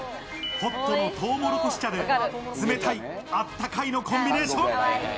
ホットのトウモロコシ茶で、冷たい、あったかいのコンビネーション。